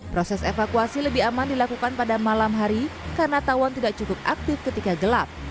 proses evakuasi lebih aman dilakukan pada malam hari karena tawon tidak cukup aktif ketika gelap